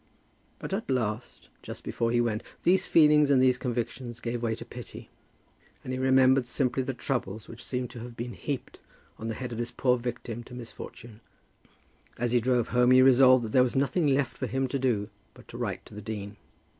But at last, just before he went, these feelings and these convictions gave way to pity, and he remembered simply the troubles which seemed to have been heaped on the head of this poor victim to misfortune. As he drove home he resolved that there was nothing left for him to do, but to write to the dean.